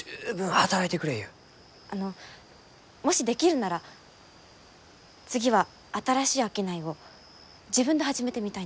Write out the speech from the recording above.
あのもしできるなら次は新しい商いを自分で始めてみたいんです。